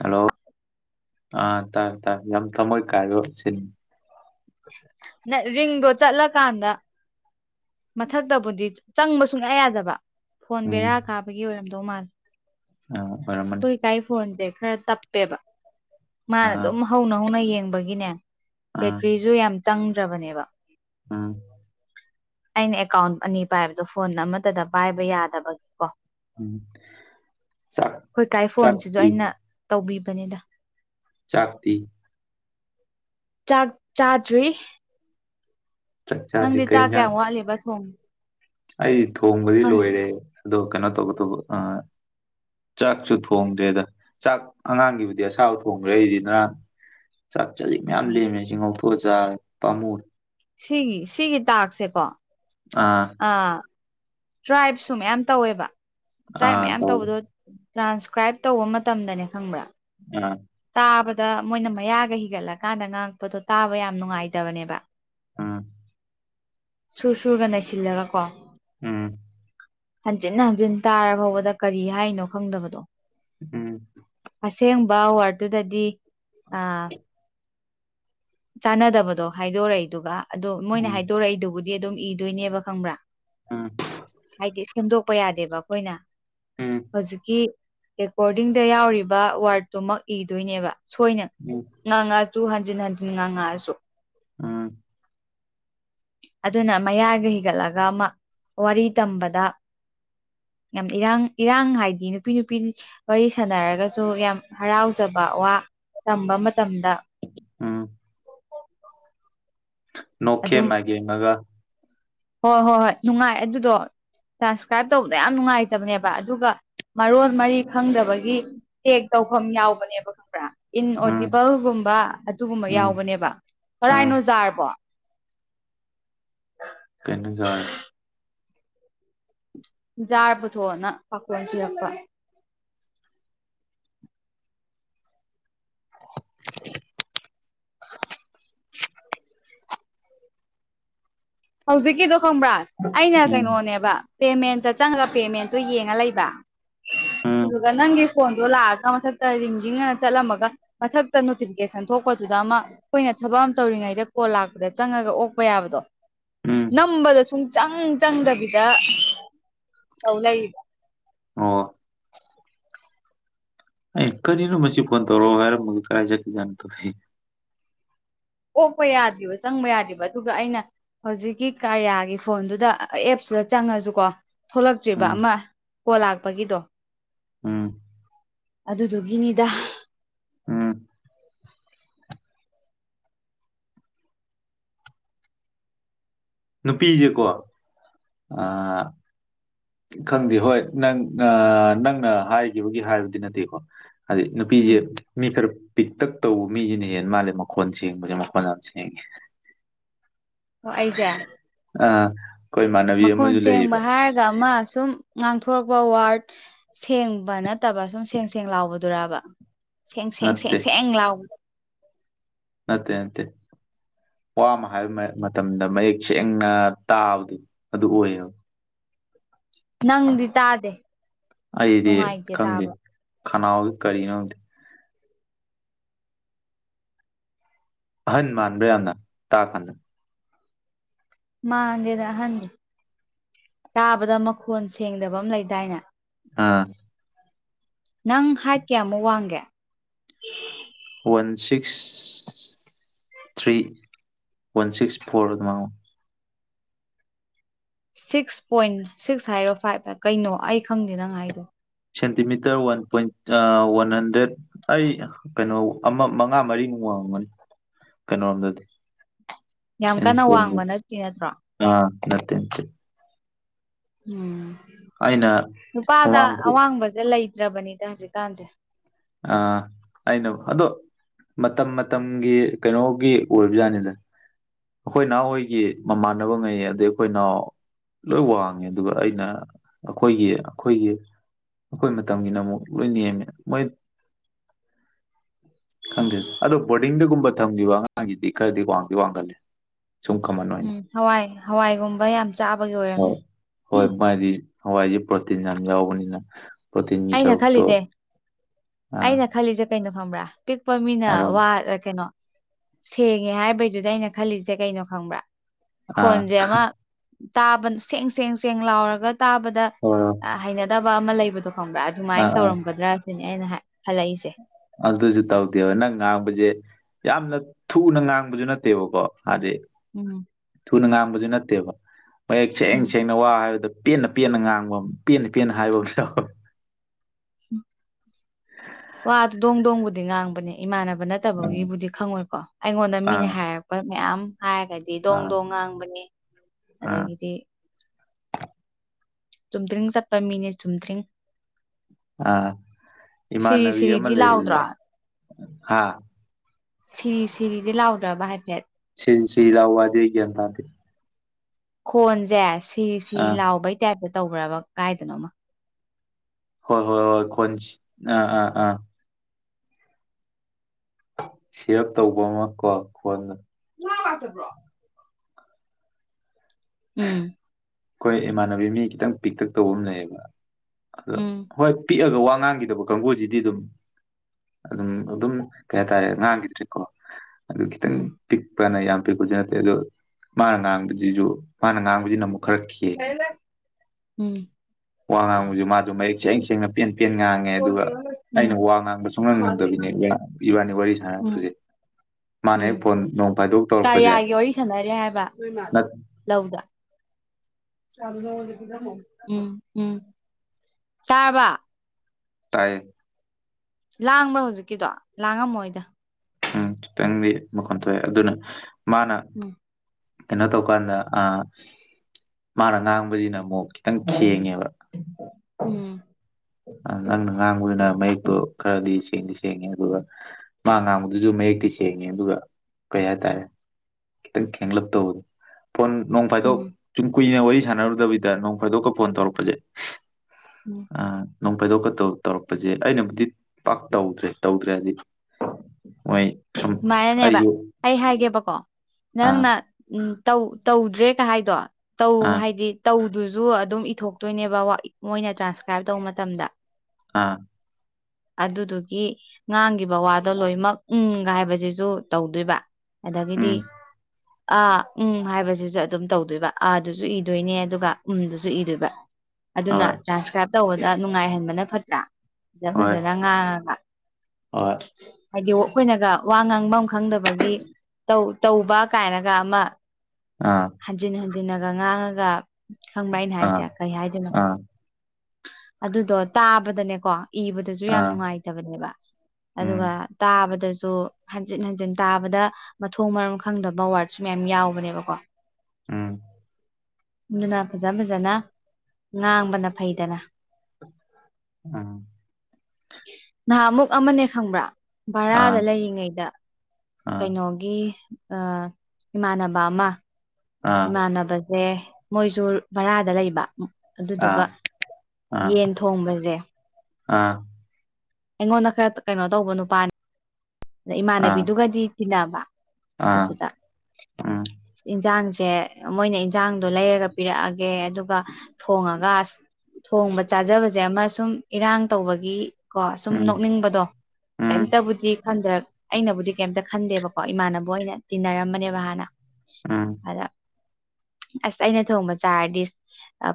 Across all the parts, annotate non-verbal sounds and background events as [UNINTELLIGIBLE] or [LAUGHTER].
hello ꯑ ꯇꯥꯔꯦ ꯇꯥꯔꯦ ꯌꯥꯝ ꯊꯃꯣꯏ ꯀꯥꯏꯕ ꯁꯤꯟꯅꯤ ꯅꯠ ꯔꯤꯡꯗꫭ ꯆꯠꯂ ꯀꯥꯟꯗ ꯃꯊꯛꯇꯕꯨꯗꯤ ꯆꯪꯕ ꯁꯨꯡꯌꯥ ꯌꯥꯗꯕ ꯐꯣꯟ ꯎꯝ ꯕꯦꯔꯥ ꯀꯥꯕꯒꯤ ꯑꯣꯏꯔꯝꯗꯧ ꯃꯥꯟ ꯑ ꯑꫭꯏꯔꯝꯃꯅꯤ ꯏꯀꯥꯏ ꯐꯣꯟꯖꯦ ꯈꯔ ꯇꯞꯄꯦꯕ ꯃꯥꯅ ꯑꯥ ꯑꯗꯨꯝ ꯍꯧꯅ ꯍꯧꯅ ꯌꯦꯡꯕꯒꯤꯅꯦ ꯑꯥ ꯕꯦꯇ꯭ꯔꯤꯖꯨ ꯌꯥꯝ ꯆꯪꯗ꯭ꯔꯕꯅꯦꯕ ꯎꯝ ꯑꯩꯅ ꯑꯦꯀꯥꯎꯟ ꯑꯅꯤ ꯄꯥꯏꯕꯗꯣ ꯐꯣꯟ ꯑꯃꯠꯇꯗ ꯄꯥꯏꯕ ꯌꯥꯗꯕ ꯀꯣ ꯎꯝ ꯆꯥꯛ ꯈꯣꯏ ꯀꯥꯏ ꯐꯣꯟꯁꯤꯁꯨ ꯆꯥꯛꯇꯤ ꯑꯩꯅ ꯇꯧꯕꯤꯕꯅꯤꯗ ꯆꯥꯛꯇꯤ ꯆꯥꯛ ꯆꯥꯗ꯭ꯔꯤ ꯆꯥꯛ ꯆꯥꯗ꯭ꯔꯤ ꯅꯪꯗꯤ ꯀꯩ ꯆꯥꯛ ꯌꯦꯟꯖꯥꯡ ꯀꯌꯥꯝ ꯋꯥꯠꯂꯤꯕ ꯊꯣꯡ ꯑꯩ ꯊꯣꯡꯕꯗꯤ ꯈꯪ ꯂꯣꯏꯔꯦ ꯑꯗꯣ ꯀꯩꯅꯣ ꯇꯧꯒꯗꯧꯕ ꯑ ꯆꯥꯛꯁꯨ ꯊꯣꯡꯗ꯭ꯔꯦꯗ ꯆꯥꯛ ꯑꯉꯥꯡꯒꯤꯕꯨꯗꯤ ꯑꯁꯥꯕ ꯊꯣꯡꯈ꯭ꯔꯦ ꯑꯩꯗꯤ ꯅꯔꯥꯡ ꯆꯥꯛ ꯆꯥꯖꯤꯛ ꯃꯌꯥꯝ ꯎꯝ ꯂꯦꯝꯃꯦ ꯑꯁꯤ ꯉꯧꯊꫭꯛꯑ ꯆꯥꯔꯦ ꯄꯥꯃꯨꯔ‌ꯦ ꯁꯤꯒꯤ ꯁꯤꯒꯤ ꯇꯥꯛꯁꯁꯦꯀꯣ ꯑꯥ ꯑ ꯇ꯭ꯔꯥꯏꯞꯁꯨ ꯃꯌꯥꯝ ꯇꯧꯋꯦꯕ ꯇ꯭ꯔꯥꯏꯞ ꯑꯥ ꯃꯌꯥꯝ ꯇꯧ ꯇꯧꯕꯗꯣ ꯇ꯭ꯔꯥꯟꯁꯀ꯭ꯔꯥꯏꯞ ꯇꯧꯕ ꯃꯇꯝꯗꯅꯦ ꯈꯪꯕ꯭ꯔꯥ ꯑ ꯇꯥꯕꯗ ꯃꯣꯏꯅ ꯃꯌꯥꯒ ꯍꯤꯒꯠꯂꯀꯥꯟꯗ ꯉꯥꯡꯉꯛꯄꯗꯣ ꯇꯥꯕ ꯌꯥꯝ ꯅꯨꯡꯉꯥꯏꯇꯕꯅꯦꯕ ꯎꯝ ꯁꯨꯔ ꯁꯨꯔꯒ ꯅꯩꯁꯤꯜꯂꯒ ꯀꯣ ꯎꯝ ꯍꯟꯖꯤꯟ ꯍꯟꯖꯤꯟ ꯇꯥꯔꯐꯥꯎꯕꯗ ꯀꯔꯤ ꯍꯥꯏꯅꯣ ꯈꯪꯗꯕꯗꯣ ꯎꯝ ꯑꯁꯦꯡꯕ ꯋꯥꯔ꯭ꯠꯇꯨꯗꯗꯤ ꯑꯥ ꯆꯥꯟꯅꯗꯕꯗꯣ ꯍꯥꯏꯗꯣꯔꯛꯏꯗꯨꯒ ꯑꯗꯣ ꯃꯣꯏꯅ ꯎꯝ ꯍꯥꯏꯗꯣꯔꯛꯏꯗꯨꯕꯨ ꯗꯤ ꯑꯗꯨꯝ ꯏꯗꯣꯏꯅꯦꯕ ꯈꯪꯕ꯭ꯔꯥ ꯎꯝ ꯍꯥꯏꯗꯤ ꯁꯦꯝꯗꯣꯛꯄ ꯌꯥꯗꯦꯕ ꯑꯈꯣꯏꯅ ꯎꯝ ꯍꯧꯖꯤꯛꯀꯤ ꯔꯦꯀꯣꯔꯗꯤꯡꯗ ꯌꯥꯎꯔꯤꯕ ꯋꯥꯔ꯭ꯠꯇꯨꯃꯛ ꯏꯗꯣꯏꯅꯦꯕ ꯁꯣꯏꯅ ꯎꯝ ꯉꯡꯉꯛꯑꯁꯨ ꯍꯟꯖꯤꯟ ꯍꯟꯖꯤꯟ ꯉꯥꯡꯉꯛꯑꯁꯨ ꯎꯝ ꯑꯗꯨꯅ ꯃꯌꯥꯒ ꯍꯤꯒꯠꯂꯒ ꯑꯃ ꯋꯥꯔꯤ ꯇꯝꯕꯗ ꯌꯥꯝ ꯏꯔꯥꯡ ꯏꯔꯥꯡ ꯍꯥꯏꯗꯤ ꯅꯨꯄꯤ ꯅꯨꯄꯤ ꯋꯥꯔꯤ ꯁꯥꯟꯅꯔꯒꯁꯨ ꯌꯥꯝ ꯍꯔꯥꯎꯖꯕ ꯋꯥ ꯇꯝꯕ ꯃꯇꯝꯗ ꯎꯝ ꯅꯣꯛꯈꯦꯝ ꯑꯗꯨꯝ ꯍꯥꯏꯒꯦꯝꯃꯒ ꯍꯣꯏ ꯍꯣꯏ ꯍꯣꯏ ꯅꯨꯡꯉꯥꯏ ꯑꯗꯨꯗꯣ ꯇ꯭ꯔꯥꯟꯁꯀ꯭ꯔꯥꯏꯞ ꯇꯧꯕꯗ ꯌꯥꯝ ꯅꯨꯡꯉꯥꯏꯇꯕꯅꯦꯕ ꯑꯗꯨꯒ ꯃꯔꯣꯟ ꯃꯔꯤ ꯈꯪꯗꯕꯒꯤ ꯇꯦꯛ ꯇꯧꯐꯝ ꯌꯥꯎꯕꯅꯦꯕ ꯈꯪꯕ꯭ꯔꯥ ꯎꯝ ꯏꯟꯑꯣꯗꯤꯕꯜꯒꯨꯝꯕ ꯑꯗꯨꯒꯨꯝꯕ ꯎꯝ ꯌꯥꯎꯕꯅꯦꯕ ꯎꯝ ꯀꯔꯥꯏꯅꯣꯖꯥꯔꯔꯕꯣ ꯀꯩꯅꯣꯖꯔ ꯖꯥꯔ ꯄꯨꯊꯣꯛꯑꯅ ꯄꯥꯈꯣꯟ ꯁꯨꯔꯛꯄ ꯍꯧꯖꯤꯛꯀꯤꯗꯣ ꯈꯪꯕ꯭ꯔꯥ ꯑꯩꯅ ꯎꯝ ꯀꯩꯅꯣꯅꯦꯕ ꯄꯦꯃꯦꯟꯇ ꯆꯪꯉꯒ ꯄꯦꯃꯦꯟꯇꯣ ꯌꯦꯡꯉ ꯂꯩꯕ ꯎꯝ ꯑꯗꯨꯗꯨꯒ ꯅꯪꯒꯤ ꯐꯣꯟꯗꯣ ꯂꯥꯛꯑꯒ ꯃꯊꯛꯇ ꯡꯡꯉꯅ ꯆꯠꯂꯝꯃꯒ ꯃꯊꯛꯇ ꯅꯣꯇꯤꯐꯤꯀꯦꯁꯟ ꯊꯣꯛꯄꯗꯨꯗ ꯑꯃ ꯑꯩꯈꯣꯏꯅ ꯊꯕꯛ ꯑꯃ ꯇꯧꯔꯤꯉꯩꯗ ꯀꯣꯜ ꯂꯥꯛꯄꯗ ꯆꯪꯉꯒ ꯑꯣꯛꯄ ꯌꯥꯕꯗꯣ ꯎꯝ ꯅꯝꯕꯗ ꯁꯨꯡꯆꯪ ꯆꯪꯗꯕꯤꯗ ꯇꯧ ꯂꯩꯔꯤꯕ ꯑꯣ ꯑ ꯀꯔꯤꯅ ꯃꯁꯤ ꯐꯣꯟ ꯇꯧꯔꯑꯣ ꯈꯔ ꯃ ꯀꯥꯏꯖ ꯀ ꯌꯥ ꯇ ꯑꯣꯛꯄ ꯌꯥꯗ꯭ꯔꯤꯕ ꯆꯪꯕ ꯌꯥꯗ꯭ꯔꯤꯕ ꯑꯗꯨꯒ ꯑꯩꯅ ꯍꯧꯖꯤꯛꯀꯤ ꯀꯔꯤꯌꯥꯒꯤ ꯐꯣꯟꯗꯨꯗ ꯑꯦꯞꯁꯤꯗ ꯆꯪꯉꯁꯨꯀꯣ ꯊꯣꯛꯂꯛꯇ꯭ꯔꯤꯕ ꯎꯝ ꯑꯃ ꯀꯣ ꯂꯥꯛꯄꯒꯤꯗꯣ ꯎꯝ ꯑꯗꯨꯗꯨꯒꯤꯅꯤꯗ ꯎꯝ ꯅꯨꯄꯤꯁꯦꯀꯣ ꯑ ꯀꯌꯨꯝ ꯈꯪꯗꯦ ꯍꯣꯏ ꯅꯪ ꯅꯪꯅ ꯍꯥꯏꯈꯤꯕꯒꯤ ꯍꯥꯏꯕꯗꯤ ꯅꯠꯇꯦꯀꯣ ꯑ ꯅꯨꯄꯤꯁꯤꯦ ꯎꯝ ꯃꯤ ꯈꯔ ꯄꯤꯛꯇꯛ ꯇꯧꯕ ꯃꯤꯁꯤꯅ ꯍꯦꯟꯅ ꯃꯥꯜꯂꯦ ꯃꯈꯣꯟ ꯁꯦꯡꯕꯁꯦ ꯃꯈꯣꯟ ꯌꯥꯝ ꯁꯦꯡꯉꯦ ꯑꯣ ꯑꯩꯁꯦ ꯑꯥ ꯑꯩꯈꯣꯏ ꯏꯃꯥꯟꯅꯕꯤ ꯃꯈꯣꯟ ꯑꯃꯁꯨ ꯁꯦꯡꯕ ꯂꯩꯌꯦꯕ ꯍꯥꯏꯔꯒ ꯑꯃ ꯁꯨꯝ ꯉꯥꯡꯊꯣꯔꯛꯄ ꯋꯥꯔꯗ ꯁꯦꯡꯕ ꯅꯠꯇꯕ ꯁꯨꯝ ꯁꯦꯡ ꯁꯦꯡ ꯂꯥꯎꯕꯗꯨꯔꯔꯕ ꯁꯦꯡ ꯁꯦꯡ ꯁꯦꯡ ꯅꯠꯇꯦ ꯁꯦꯡ ꯂꯥꯎꯕꯗ ꯃꯠꯇꯦ ꯑꯠꯇꯦ ꯋꯥ ꯑꯃ ꯍꯥꯏꯕ ꯃꯇꯝꯗ ꯃꯌꯦꯛ ꯁꯦꯡꯅ ꯇꯥꯕꯗꯤ ꯑꯗꯨ ꯑꯣꯏꯌꯦꯕ ꯅꯪꯗꯤ ꯇꯥꯗꯦ ꯑꯩꯗꯤ ꯅꯨꯡꯉꯥꯏꯇꯦ ꯈꯪꯗꯦ ꯇꯥꯕ ꯈꯅꯥꯎꯁ ꯀꯔꯤꯅꯣꯗꯦ ꯑꯍꯟ ꯃꯥꯟꯕ ꯌꯥꯝꯅ ꯇꯥꯛꯀꯥꯟꯗ ꯃꯥꯟꯗꯦꯗ ꯑꯍꯟꯗꯤ ꯇꯥꯕꯗ ꯃꯈꯣꯟ ꯁꯦꯡꯗꯕ ꯑꯃ ꯂꯩꯗꯥꯏꯅꯦ ꯑꯥ ꯅꯪ ꯍꯥꯏꯠ ꯀꯌꯥꯃꯨꯛ ꯋꯥꯡꯒꯦ one six three one six four ꯑꯗꯨꯃꯥꯏꯉꫭ ꯁꯤꯛꯁ ꯄꯣꯏꯟ ꯁꯤꯛꯁ ꯍꯥꯏꯔꯣ ꯐꯥꯏꯚ ꯍꯥꯏ ꯀꯩꯅꯣ ꯑꯩ ꯈꯪꯗꯦ ꯅꯪ ꯍꯥꯏꯗꯣ centimetre one point one hundred ꯑꯩ ꯀꯩꯅꯣ ꯑꯃ ꯃꯉꯥ ꯃꯔꯤꯃꯨꯛ ꯋꯥꯡꯒꯅꯤ ꯀꯩꯅꯣꯗꯗꯤ ꯌꯥꯝ ꯀꯟꯅ ꯋꯥꯡꯕ ꯅꯠꯇꯦ ꯅꯠꯇ꯭ꯔꯣ ꯑ ꯅꯠꯇꯦ ꯅꯠꯇꯦ ꯎꯝ ꯑꯩꯅ ꯅꯨꯄꯥꯗ ꯃꯃꯥꯡ ꯑꯋꯥꯡꯕꯁꯦ ꯂꯩꯇ꯭ꯔꯕꯅꯤꯗ ꯍꯧꯖꯤꯛꯀꯥꯟꯁꯦ ꯑ ꯑꯅꯕꯨ ꯑꯗꯣ ꯃꯇꯝ ꯃꯇꯝꯒꯤ ꯀꯩꯅꯣꯒꯤ ꯑꯣꯏꯕꯖꯥꯠꯅꯤꯗ ꯑꯩꯈꯣꯏ ꯅꯍꯍꯣꯏꯒꯤ ꯃꯃꯥꯟꯅꯕ ꯉꯩ ꯑꯗꯩ ꯑꯩꯈꯣꯏꯅꯍ ꯂꯣꯏ ꯋꯥꯡꯉꯦ ꯑꯗꯨꯒ ꯑꯩꯅ ꯑꯩꯈꯣꯏꯒꯤ ꯑꯩꯈꯣꯏꯒꯤ ꯑꯩꯈꯣꯏ ꯃꯇꯝꯒꯤꯅ ꯑꯃꯨꯛ ꯂꯣꯏ ꯅꯦꯝꯃꯦ ꯃꯣꯏ ꯈꯪꯗꯦ ꯑꯗꯣ ꯕꯣꯔꯗꯤꯡꯗꯒꯨꯝꯕ ꯊꯝꯈꯤꯕ ꯑꯉꯥꯡꯒꯤꯗꯤ ꯈꯔꯗꯤ ꯋꯥꯡꯗꯤ ꯋꯥꯡꯒꯜꯂꯦ ꯁꯨꯝ ꯀꯃꯟ ꯑꯣꯏꯅ ꯎꯝ ꯍꯋꯥꯏ ꯍꯋꯥꯏꯒꯨꯝꯕ ꯌꯥꯝ ꯆꯥꯕꯒꯤ ꯑꯣꯏꯔꯝꯅꯤ ꯍꯣꯏ ꯍꯣꯏ ꯃꯗꯤ ꯍ ꯑꯩꯁꯦ ꯄ꯭ꯔꯣꯇꯤꯟ ꯌꯥꯝ ꯌꯥꯎꯕꯅꯤꯅ ꯄ꯭ꯔꯣꯇꯤꯟꯒꯤ ꯑꯩꯅ ꯁꯔꯨꯛꯇꯣ ꯈꯜꯂꯤꯁꯦ ꯑꯥ ꯑꯩꯅ ꯈꯜꯂꯤꯁꯦ ꯀꯩꯅꯣ ꯈꯪꯕ꯭ꯔꯥ ꯄꯤꯛꯄ ꯃꯤꯅ ꯍꯥꯏꯔꯣ ꯋꯥ ꯀꯩꯅꯣ ꯁꯦꯡꯉꯦ ꯍꯥꯏꯕꯩꯗꯨꯗ ꯑꯩꯅ ꯈꯜꯂꯤꯁꯦ ꯀꯩꯅꯣ ꯈꯪꯕ꯭ꯔꯥ ꯑꯥ ꯈꯣꯟꯁꯦ ꯑꯃ ꯇꯥꯕ ꯁꯦꯡ ꯁꯦꯡ ꯁꯦꯡ ꯂꯥꯎꯔꯒ ꯇꯥꯕꯗ ꯍꯣꯏ ꯍꯣꯏ ꯍꯩꯅꯗꯕ ꯑꯃ ꯂꯩꯕꯗꯣ ꯈꯪꯕ꯭ꯔꯥ ꯑꯥ ꯑꯗꯨꯃꯥꯏꯅ ꯑꯥ ꯇꯧꯔꯝꯒꯗ꯭ꯔꯥ ꯁꯤꯅꯦ ꯑꯩꯅ ꯈꯜꯂꯛꯏꯁꯦ ꯑꯗꯨꯁꯨ ꯇꯧꯗ‌ꯦꯕ ꯅꯪ ꯉꯥꯡꯕꯁꯦ ꯌꯥꯝꯅ ꯊꯨꯅ ꯉꯥꯡꯕꯁꯨ ꯅꯠꯇꯦꯕꯀꯣ ꯍꯥꯏꯗꯤ ꯎꯝ ꯊꯨꯅ ꯉꯥꯡꯕꯁꯨ ꯅꯠꯇꯦꯕ ꯃꯌꯦꯛ ꯁꯦꯡ ꯎꯝ ꯁꯦꯡ ꯅꯋꯥ ꯍꯥꯏꯕꯗ ꯄꯦꯟꯅ ꯄꯦꯟꯅ ꯉꯥꯡꯕ ꯄꯦꯟꯅ ꯄꯦꯟꯅ ꯍꯥꯏꯕ ꯑꯃ ꯌꯥꯎꯋꯤ ꯋꯥꯗꯨ ꯗꯣꯡ ꯗꯣꯡꯕꯨꯗꯤ ꯉꯥꯡꯕꯅꯦ ꯏꯃꯥꯟꯅꯕ ꯅ‌ꯠ ꯅꯠꯇꯕꯒꯤꯕꯨꯗꯤ ꯈꯪꯉꯣꯏꯀꯣ ꯑꯩꯉꯣꯟꯗ ꯑꯥ ꯃꯤꯅ ꯍꯥꯏꯔꯛꯄ ꯃꯌꯥꯝ ꯍꯥꯏꯔꯒꯗꯤ ꯗꯣꯡ ꯑꯥ ꯗꯣꯡ ꯉꯥꯡꯕꯅꯦ ꯑꯥ ꯑꯗꯒꯤꯗꯤ ꯆꯨꯝꯗ꯭ꯔꯤꯡ ꯆꯠꯄ ꯃꯤꯅꯦ ꯆꯨꯝꯗ꯭ꯔꯤꯡ ꯑꯥ ꯁꯤꯔꯤ ꯏꯃꯥꯟꯅꯕꯤ ꯑꯃ ꯁꯤꯔꯤꯗꯤ ꯂꯩꯏꯕ ꯂꯥꯎꯗ꯭ꯔꯣ ꯍꯥ ꯁꯤꯔꯤ ꯁꯤꯔꯤꯗꯤ ꯂꯥꯎꯗ꯭ꯔꯕ ꯍꯥꯏꯐꯦꯠ ꯁꯤꯔꯤ ꯁꯤꯔꯤ ꯂꯥꯎꯕꯗꯤ ꯑꯩ ꯒꯤꯌꯥꯟ ꯇꯥꯗ‌ꯦ ꯈꯣꯟꯁꯦ ꯁꯤꯔꯤ ꯁꯤꯔꯤ ꯑꯥ ꯂꯥꯎꯕꯩ ꯇꯥꯏꯞꯇ ꯇꯧꯕ꯭ꯔꯕꯥ ꯀꯥꯏꯗꯅꯣꯝꯃ ꯍꯣꯏ ꯍꯣꯏ ꯍꯣꯏ ꯈꫭꯟ ꯁꯤ ꯑꯥ ꯑꯥ ꯑꯥ ꯁꯦꯚ ꯇꯧꯕ ꯑꯃ ꯀꯣ ꯈꯣꯟ ꯄꯨꯔ ꯃꯥꯠꯇꯕ꯭ꯔꯣ [UNINTELLIGIBLE] ꯎꯝ ꯑꯩꯈꯣꯏ ꯏꯃꯥꯟꯅꯕꯤ ꯃꯤ ꯈꯤꯇꯪ ꯄꯤꯛꯇꯛ ꯇꯧꯕ ꯑꯃ ꯂꯩꯌꯦꯕ ꯑꯗꯣ ꯎꯝ ꯍꯣꯏ ꯄꯤꯛꯑꯒ ꯋꯥ ꯉꯥꯡꯈꯤꯗꯕ ꯀꯥꯡꯒꯨꯁꯤꯗꯤ ꯑꯗꯨꯝ ꯑꯗꯨꯝ ꯑꯗꯨꯝ ꯀꯩ ꯍꯥꯏꯇꯥꯔꯦ ꯉꯥꯡꯈꯤꯗ꯭ꯔꯦꯀꯣ ꯑꯗꯨ ꯈꯤꯇꯪ ꯎꯝ ꯄꯤꯛꯄꯅ ꯌꯥꯝ ꯄꯤꯛꯄꯗꯤ ꯅꯠꯇꯦ ꯑꯗꯨ ꯃꯥꯅ ꯉꯥꯡꯕꯁꯤꯁꯨ ꯃꯥꯅ ꯉꯥꯡꯕꯁꯤꯅ ꯑꯃꯨꯛ ꯈꯔ ꯈ‌ꯦꯡꯉꯦ ꯎꯝ ꯋꯥ ꯉꯥꯡꯕꯁꯤ ꯃꯥꯁꯨ ꯃꯌꯦꯛ ꯁꯦꯡ ꯁꯦꯡꯅ ꯄꯦꯟ ꯄꯦꯟ ꯉꯥꯡꯉꯦ ꯉꯦ ꯑꯗꯨꯒ ꯑꯩꯅ ꯎꯝ ꯋꯥ ꯉꯥꯡꯕꯁꯨꯨꯡꯅꯪ ꯅꯪꯗꯕꯤꯅꯦ ꯏꯕꯥꯅꯤ ꯋꯥꯔꯤ ꯁꯥꯟꯅꯔꯛꯄꯁꯦ ꯎꯝ ꯃꯥꯅ ꯍꯦꯛ ꯎꯝ ꯐꯣꯟ ꯅꯣꯡ ꯐꯥꯏꯗꯣꯛ ꯇꯧꯔꯛꯄꯁꯦ ꯀꯔꯤꯌꯥꯒꯤ ꯋꯥꯔꯤ ꯁꯥꯟꯅꯔꯤ ꯍꯥꯏꯕ ꯅꯠ ꯂꯧꯗ ꯎꯝ ꯎꯝ ꯇꯥꯔꯕꯥ ꯇꯥꯏꯌꯦ ꯂꯥꯡꯕ꯭ꯔꯥ ꯍꯧꯖꯤꯛꯀꯤꯗꯣ ꯂꯥꯡꯉꯝꯃꯣꯏꯗ ꯎꯝ ꯈꯤꯇꯪꯗꯤ ꯃꯈꯣꯟ ꯊꯣꯛꯑꯦ ꯑꯗꯨꯅ ꯃꯥꯅ ꯎꯝ ꯀꯩꯅꯣ ꯇꯧꯀꯥꯟꯗ ꯑꯥ ꯃꯥꯅ ꯉꯥꯡꯕꯁꯤꯅ ꯑꯃꯨꯛ ꯈꯤꯇꯪ ꯈꯦꯡꯉꯦꯕ ꯎꯝ ꯅꯪꯅ ꯉꯥꯡꯕꯗꯨꯅ ꯃꯌꯦꯛꯇꯣ ꯈꯔꯗꯤ ꯁꯦꯡꯗꯤ ꯁꯦꯡꯉꯦ ꯑꯗꯨꯒ ꯃꯥ ꯉꯥꯡꯕꯗꯨꯁꯨ ꯃꯌꯦꯛꯇꯤ ꯁꯦꯡꯉꯦ ꯑꯗꯨꯒ ꯀꯩ ꯍꯥꯏꯇꯥꯔꯦ ꯈꯤꯇꯪ ꯈꯦꯡꯂꯞ ꯇꯧꯕꯗꯣ ꯐꯣꯟ ꯅꯣꯡ ꯐꯥꯏꯗꯣꯛ ꯎꯝ ꯁꯨꯝ ꯀꯨꯏꯅ ꯋꯥꯔꯤ ꯁꯥꯟꯅꯔꯨꯗꯕꯤꯗ ꯅꯣꯡ ꯐꯥꯏꯗꯣꯛꯀ ꯐꯣꯟ ꯇꯧꯔꯛꯄꯁꯦ ꯎꯝ ꯑ ꯅꯣꯡ ꯐꯩꯗꯣꯛꯀꯇꯧ ꯇꯧꯔꯛꯄꯁꯦ ꯑꯩꯅꯕꯨꯗꯤ ꯄꯥꯛ ꯇꯧꯗ꯭ꯔꯦ ꯇꯧꯗ꯭ꯔꯦ ꯍꯥꯏꯗꯤ [UNINTELLIGIBLE] ꯁꯨꯃꯥꯏꯅꯅꯦꯕ ꯑꯩꯁꯨ ꯑꯩ ꯍꯥꯏꯒꯦꯕꯀꯣ ꯑꯥ ꯅꯪꯅ ꯎꯝ ꯇꯧꯗ꯭ꯔꯦ ꯀꯥ ꯍꯥꯏꯗꯣ ꯇꯧ ꯑꯥ ꯍꯥꯏꯗꯤ ꯇꯧ ꯑꯗꯨꯁꯨ ꯑꯗꯨꯝ ꯏꯊꯣꯛꯇꯣꯏꯅꯦꯕ ꯃꯣꯏꯅ ꯇ꯭ꯔꯥꯟꯁꯀ꯭ꯔꯥꯏꯞ ꯇꯧꯕ ꯃꯇꯝꯗ ꯑꯥ ꯑꯗꯨꯗꯨꯒꯤ ꯉꯥꯡꯈꯤꯕ ꯋꯥꯗꯣ ꯂꯣꯏꯅꯃꯛ ꯎꯪꯒ ꯍꯥꯏꯕ ꯍꯥꯏꯕꯁꯤꯁꯨ ꯇꯧꯗꯣꯏꯕ ꯑꯗꯒꯤꯗꯤ ꯎꯝ ꯑꯥ ꯎꯝ ꯍꯥꯏꯕꯁꯤꯁꯨ ꯑꯗꯨꯝ ꯇꯧꯗꯣꯏꯕ ꯑꯥꯗꯨꯁꯨ ꯏꯗꯣꯏꯅꯦ ꯑꯗꯨꯒ ꯎꯝꯗꯨꯁꯨ ꯏꯗꯣꯏꯕ ꯑꯗꯨꯅ ꯍꯣꯏ ꯇ꯭ꯔꯥꯟꯁꯀ꯭ꯔꯥꯏꯞ ꯇꯧꯕꯗ ꯅꯨꯡꯉꯥꯏꯍꯟꯕꯅ ꯐꯠꯇ꯭ꯔꯥ ꯐꯖ ꯍꯣꯏ ꯐꯖꯅ ꯉꯥꯡꯉꯒ ꯍꯣꯏ ꯍꯥꯏꯗꯤ ꯑꯩꯈꯣꯏꯅꯒ ꯋꯥ ꯉꯥꯡꯐꯝ ꯈꯪꯗꯕꯒꯤ ꯇꯧ ꯇꯧꯕ ꯀꯥꯏꯅꯒ ꯑꯃ ꯑꯥ ꯍꯟꯖꯤꯟ ꯍꯟꯖꯤꯟꯅꯒ ꯉꯥꯡꯉꯒ ꯈꯪꯕ꯭ꯔꯥ ꯑꯩꯅ ꯑꯥ ꯍꯥꯏꯁꯦ ꯀꯩ ꯍꯥꯏꯗꯣꯏꯅꯣ ꯑꯥ ꯑꯗꯨꯗꯣ ꯇꯥꯕꯗꯅꯦꯀꯣ ꯏꯕꯗꯁꯨ ꯌꯥꯝ ꯑꯥ ꯅꯨꯡꯉꯥꯏꯇꯕꯅꯦꯕ ꯎꯝ ꯑꯗꯨꯒ ꯇꯥꯕꯗꯁꯨ ꯍꯟꯖꯤꯟ ꯍꯟꯖꯤꯟ ꯇꯥꯕꯗ ꯃꯊꯣꯡ ꯃꯔꯝ ꯈꯪꯗꯕ ꯋꯥ꯭ꯔꯠꯁꯨ ꯃꯌꯥꯝ ꯌꯥꯎꯕꯅꯦꯕꯀꯣ ꯎꯝ ꯑꯗꯨꯅ ꯐꯖ ꯐꯖꯅ ꯉꯥꯡꯕꯅ ꯐꯩꯗꯅ ꯎꯝ ꯅꯍꯥꯃꯨꯛ ꯑꯃꯅꯦ ꯈꯪꯕ꯭ꯔꯥ ꯚꯔꯥꯗ ꯑꯥ ꯂꯩꯔꯤꯉꯩꯗ ꯑꯥ ꯀꯩꯅꯣ ꯒꯤ ꯑ ꯏꯃꯥꯟꯅꯕ ꯑꯃ ꯑꯥ ꯏꯃꯥꯟꯅꯕꯁꯦ ꯃꯣꯏꯁꯨ ꯕꯔꯥꯗ ꯂꯩꯕ ꯑꯥ ꯑꯗꯨꯗꯨꯒ ꯑꯥ ꯌꯦꯟ ꯊꯣꯡꯕꯁꯦ ꯑꯥ ꯑꯩꯉꯣꯟꯗ ꯈꯔ ꯀꯩꯅꯣ ꯇꯧꯕ ꯅꯨꯄꯥꯅꯤ ꯑꯗ ꯑꯥ ꯏꯃꯥꯟꯅꯕꯤꯗꯨꯒꯗꯤ ꯇꯤꯟꯅꯕ ꯑꯥ ꯑꯗꯨꯗ ꯎꯝ ꯏꯟꯁꯥꯡꯁꯦ ꯃꯣꯏꯅ ꯏꯟꯁꯥꯡꯗꯣ ꯂꯩꯔꯒ ꯄꯤꯔꯛꯑꯒꯦ ꯑꯗꯨꯒ ꯊꯣꯡꯉꯒ ꯑꯁ ꯊꯣꯡꯕ ꯆꯥꯖꯕꯁꯦ ꯑꯃ ꯁꯨꯝ ꯏꯔꯥꯡ ꯇꯧꯕꯒꯤ ꯀꯣ ꯁꯨꯝ ꯎꯝ ꯅꯣꯛꯅꯤꯡꯕꯗꯣ ꯎꯝ ꯀꯩꯝꯇꯕꯨꯗꯤ ꯈꯟꯗꯔ ꯀꯩꯇ ꯈꯟꯗꯦꯕꯀꯣ ꯏꯃꯥꯟꯅꯕ ꯑꯣꯏꯅ ꯇꯤꯟꯅꯔꯝꯕꯅꯦꯕ ꯍꯥꯟꯅ ꯎꯝ ꯑꯗ ꯑꯁ ꯑꯩꯅ ꯊꯣꯡꯕ ꯆꯥꯔꯗꯤ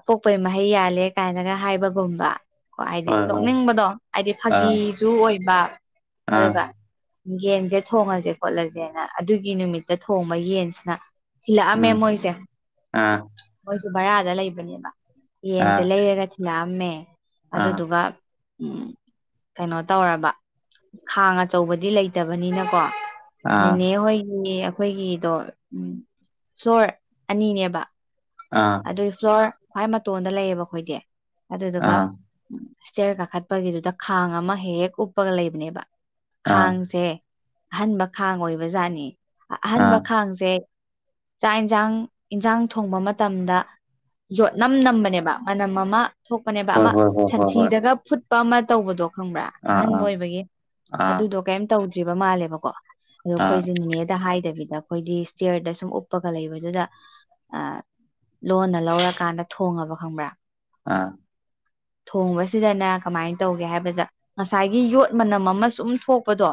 ꯄꯣꯛꯄꯩ ꯃꯍꯩ ꯌꯥꯜꯂꯦ ꯀꯥꯏꯅꯒ ꯍꯥꯏꯕꯒꯨꯝꯕ ꯀꯣ ꯍꯥꯏꯗꯤ ꯍꯣꯏ ꯍꯣꯏ ꯅꯣꯛꯅꯤꯡꯕꯗꯣ ꯍꯥꯏꯗꯤ ꯑꯥ ꯐꯥꯒꯤꯁꯨ ꯑꯣꯏꯕ ꯑꯥ ꯑꯗꯨꯒ ꯌꯦꯟꯁꯦ ꯊꯣꯡꯉꯁꯦ ꯈꯣꯠꯂꯁꯦꯅ ꯑꯗꯨꯒꯤ ꯅꯨꯃꯤꯠꯇ ꯊꯣꯡꯕ ꯌꯦꯟꯁꯤꯅ ꯊꯤꯜꯂꯛꯑꯝꯃꯦ ꯎꯝ ꯃꯣꯏꯁꯦ ꯑꯥ ꯃꯣꯏꯁꯨ ꯕꯔꯥꯗ ꯂꯩꯕꯅꯦꯕ ꯌꯦꯟꯁꯦ ꯑꯥ ꯂꯩꯔꯒ ꯂꯥꯑꯃꯦ ꯑꯥ ꯑꯗꯨꯗꯨꯒ ꯎꯝ ꯀꯩꯅꯣ ꯇꯧꯔꯕ ꯈꯥꯡꯉ ꯑꯆꯧꯕꯗꯤ ꯂꯩꯇꯕꯅꯤꯅꯀꯣ ꯑꯥ ꯅꯦꯅꯦ ꯍꯣꯏꯒꯤ ꯑꯩꯈꯣꯏꯒꯤꯗꯣ ꯁꯣꯔ ꯑꯅꯤꯅꯦꯕ ꯑꯥ ꯑꯗꯨꯒꯤ ꯐ꯭ꯂꯣꯔ ꯈ꯭ꯋꯥꯏ ꯃꯇꯣꯟꯗ ꯂꯩꯌꯦꯕ ꯑꯩꯈꯣꯏꯗꯤ ꯑꯗꯨꯗꯨꯒ ꯑꯥ ꯏꯁꯇ꯭ꯌꯔ ꯀꯥꯈꯠꯄꯒꯤꯗꯨꯗ ꯈꯥꯡ ꯑꯃ ꯍꯦꯛ ꯍꯦꯛ ꯎꯞꯄꯒ ꯂꯩꯕꯅꯦꯕ ꯑꯥ ꯈꯥꯡꯖꯦ ꯑꯍꯟꯕ ꯈꯥꯡ ꯑꯣꯏꯕꯖꯥꯠꯅꯤ ꯑꯍꯟꯕ ꯑꯥ ꯈꯥꯡꯁꯦ ꯆꯥꯛ ꯏꯟꯁꯥꯡ ꯏꯟꯖꯥꯡ ꯊꯣꯡꯕ ꯃꯇ ꯇꯝꯗ ꯌꯣꯠꯅꯝ ꯅꯝꯕꯅꯦꯕ ꯃꯅꯝ ꯑꯃ ꯊꯣꯛꯄꯅꯦꯕ ꯍꯣꯏ ꯑꯃ ꯍꯣꯏ ꯍꯣꯏ ꯍꯣꯏ ꯍꯣꯏ ꯁꯟꯊꯤꯗꯒ ꯐꯨꯠꯄ ꯑꯃ ꯇꯧꯕꯗꯣ ꯈꯪꯕ꯭ꯔꯥ ꯑꯥ ꯑꯥ ꯑꯍꯟꯕ ꯑꯣꯏꯕꯒꯤ ꯑꯥ ꯑꯗꯨꯗꯣ ꯀꯩꯝ ꯇꯧꯗ꯭ꯔꯤꯕ ꯃꯥꯜꯂꯦꯕꯀꯣ ꯑꯗꯣ ꯑꯥ ꯑꯩꯈꯣꯏꯁꯦ ꯅꯅꯦꯗ ꯍꯥꯏꯗꯕꯤꯗ ꯑꯩꯈꯣꯏꯗꯤ ꯁ꯭ꯇꯤꯌꯔꯗ ꯁꯨꯝ ꯎꯞꯄꯒ ꯂꯩꯕꯗꯨꯗ ꯑꯥ ꯂꯣꯟꯅ ꯂꯧꯔꯀꯥꯟꯗ ꯊꯣꯡꯉꯕ ꯈꯪꯕ꯭ꯔꯥ ꯑꯥ ꯊꯣꯡꯕꯁꯤꯗꯅ ꯀꯃꯥꯏꯅ ꯇꯧꯒꯦ ꯍꯥꯏꯕꯗ ꯉꯁꯥꯏꯒꯤ ꯌꯣꯠ ꯃꯅꯝ ꯑꯃ ꯁꯨꯝ ꯊꯣꯛꯄꯗꯣ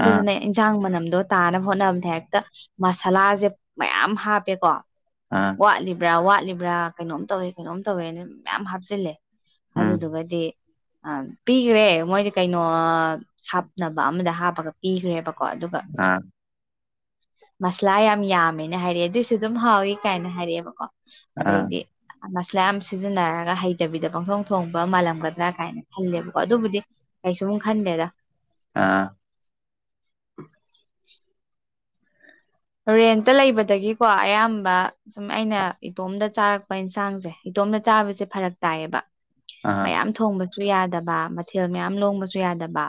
ꯑꯥ ꯏꯟꯁꯥꯡ ꯃꯅꯝꯗꯣ ꯇꯥꯅꯕ ꯍꯣꯠꯅꯕꯅꯦ ꯍꯦꯛꯇ ꯃꯁꯥꯂꯥꯁꯦ ꯃꯌꯥꯝ ꯍꯥꯞꯄꯦꯀꯣ ꯑꯥ ꯋꯥꯠꯂꯤꯕ꯭ꯔꯥ ꯋꯥꯠꯂꯤꯕ꯭ꯔꯥ ꯀꯩꯅꯣꯝ ꯇꯧꯋꯦ ꯀꯩꯅꯣꯝ ꯇꯧꯋꯦꯅ ꯃꯌꯥꯝ ꯍꯥꯞꯆꯤꯜꯂꯦ ꯎꯝ ꯑꯗꯨꯗꯨꯒꯗꯤ ꯑ ꯄꯤꯒ꯭ꯔꯦ ꯃꯣꯏꯗꯤ ꯀꯩꯅꯣ ꯍꯥꯞꯅꯕ ꯑꯃꯗ ꯍꯥꯞꯄꯒ ꯄꯤꯒ꯭ꯔꯦꯕ ꯀꯣ ꯑꯗꯨꯒ ꯑꯥ ꯃꯁꯂꯥ ꯌꯥꯝ ꯌꯥꯝꯃꯦꯅ ꯍꯥꯏꯔꯛꯑꯦ ꯑꯗꯨꯏꯁꯨ ꯑꯗꯨꯝ ꯍꯥꯎꯋ ꯀꯥꯏꯅ ꯍꯥꯏꯔꯤꯛꯑꯦꯕꯀꯣ ꯑꯥ ꯑꯗꯩꯗꯤ ꯃꯁꯂꯥ ꯌꯥꯝ ꯁꯤꯖꯤꯟꯅꯔꯒ ꯍꯩꯇꯕꯤꯗ ꯄꯪꯁꯣꯡ ꯊꯣꯡꯕ ꯃꯥꯜꯂꯝꯒꯗ꯭ꯔꯥ ꯀꯥꯏꯅ ꯈꯜꯂꯦꯕꯀꯣ ꯑꯗꯨꯕꯨꯗꯤ ꯀꯩꯁꯨꯝ ꯈꯟꯗꯦꯗ ꯑꯥ ꯔꯦꯟꯇ ꯂꯩꯕꯗꯒꯤꯀꯣ ꯑꯌꯥꯝꯕ ꯁꯨꯝ ꯑꯩꯅ ꯏꯇꯣꯝꯗ ꯆꯥꯔꯛꯄ ꯏꯟꯁꯥꯡꯁꯦ ꯏꯇꯣꯝꯗ ꯆꯥꯕꯁꯦ ꯐꯔꯛ ꯇꯥꯏꯌꯦꯕ ꯑꯥ ꯃꯌꯥꯝ ꯊꯣꯡꯕꯁꯨ ꯌꯥꯗꯕ ꯃꯊꯦꯜ ꯃꯌꯥꯝ ꯂꯣꯡꯕꯁꯨ ꯌꯥꯗꯕ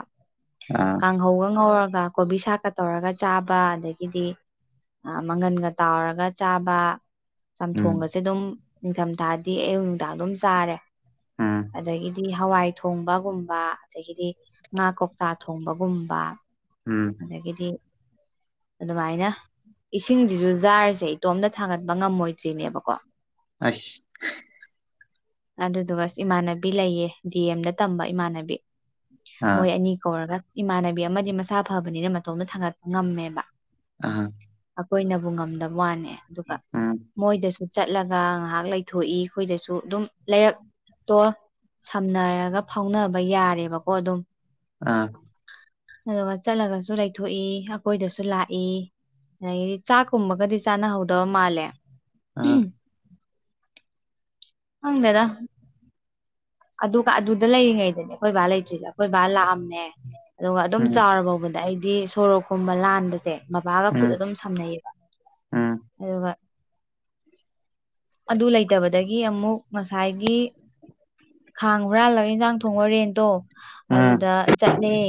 ꯑ ꯀꯥꯡꯍꯧꯒ ꯉꯧꯔꯒ ꯀꯣꯕꯤ ꯁꯥꯥꯛꯀ ꯇꯧꯔꯒ ꯆꯥꯕ ꯑꯗꯒꯤꯗꯤ ꯃꯪꯒꯟꯒ ꯇꯥꯎꯔꯒ ꯆꯥꯕ ꯎꯝ ꯆꯝꯊꯣꯡꯒꯁꯦ ꯑꯗꯨꯝ ꯅꯤꯡꯊꯝ ꯊꯥꯗꯤ ꯑꯌꯨꯛ ꯅꯨꯡꯗꯥꯡ ꯑꯗꯨꯝ ꯆꯥꯔꯦ ꯎꯝ ꯑꯗꯒꯤꯗꯤ ꯍꯋꯥꯏ ꯊꯣꯡꯕꯒꯨꯝꯕ ꯑꯗꯒꯤꯗꯤ ꯉꯥ ꯀꯧꯇꯥꯥꯛ ꯊꯣꯡꯕꯒꯨꯝꯕ ꯎꯝ ꯑꯗꯒꯤꯗꯤ ꯑꯗꯨꯃꯥꯏꯅ ꯏꯁꯤꯡꯁꯤꯁꯨ ꯖꯥꯔꯁꯦ ꯏꯇꯣꯝꯇ ꯊꯥꯡꯒꯠꯄ ꯉꯝꯃꯣꯏꯗ꯭ꯔꯤꯅꯦꯕꯀꯣ ꯑꯩꯁ ꯑꯗꯨꯗꯨꯒꯁ ꯏꯃꯥꯟꯅꯕꯤ ꯂꯩꯌꯦ ꯗꯤ ꯑꯦꯝꯗ ꯇꯝꯕ ꯏꯃꯥꯟꯅꯕꯤ ꯑꯥ ꯃꯣꯏ ꯑꯅꯤ ꯀꯧꯔꯒ ꯏꯃꯥꯟꯅꯕꯤ ꯑꯃꯗꯤ ꯃꯁꯥ ꯐꯕꯅꯤꯅ ꯃꯇꯣꯝꯇ ꯊꯥꯡꯒꯠꯄ ꯉꯝꯃꯦꯕ ꯑ ꯑꯩꯈꯣꯏꯅꯕꯨ ꯉꯝꯗꯕ ꯋꯥꯅꯦ ꯑꯗꯨꯒ ꯎꯝ ꯃꯣꯏꯗꯁꯨ ꯆꯠꯂꯒ ꯉꯥꯏꯍꯥꯛ ꯂꯩꯊꯣꯛꯏ ꯑꯩꯈꯣꯏꯗꯁꯨ ꯑꯗꯨꯝ ꯂꯩꯔꯛꯇꯣ ꯁꯝꯅꯔꯒ ꯐꯥꯎꯅꯕ ꯌꯥꯔꯦꯕꯀꯣ ꯑꯗꯨꯝ ꯑ ꯑꯗꯨꯒ ꯆꯠꯂꯒꯁꯨ ꯂꯩꯊꯣꯛꯏ ꯑꯩꯀꯣꯏꯗꯁꯨ ꯂꯥꯛꯏ ꯑꯗꯒꯤꯗꯤ ꯆꯥꯛꯀꯨꯝꯕꯒꯗꯤ ꯆꯥꯅꯍꯧꯗꯕ ꯃꯥꯜꯂꯦ ꯑꯥ ꯈꯪꯗꯗ ꯑꯗꯨ ꯑꯗꯨꯗ ꯂꯩꯔꯤꯉꯩꯗꯅꯦ ꯑꯩꯈꯣꯏ ꯕꯥ ꯂꯩꯇ꯭ꯔꯤꯖ ꯀꯣꯏꯕꯥ ꯂꯥꯛꯑꯝꯃꯦ ꯑꯗꯨꯒ ꯑꯗꯨꯝ ꯎꯝ ꯆꯥꯎꯐꯥꯎꯕꯗ ꯑꯩꯗꯤ ꯁꯣꯔꯣꯛꯀꯨꯝꯕ ꯂꯥꯟꯕꯁꯦ ꯕꯕꯥꯒ ꯈꯨꯠ ꯎꯝ ꯑꯗꯨꯝ ꯁꯝꯅꯩꯌꯦꯕ ꯎꯝ ꯑꯗꯨꯒ ꯑꯗꯨ ꯂꯩꯇꯕꯗꯗꯒꯤ ꯑꯃꯨꯛ ꯉꯁꯥꯏꯒꯤ ꯈꯥꯡ ꯍꯨꯔꯥꯜꯂꯒ ꯏꯟꯁꯥꯡ ꯊꯣꯡ ꯍꯣꯔꯦꯟꯗꯣ ꯎꯝ ꯑꯗꯨꯗ ꯆꯠꯅꯤ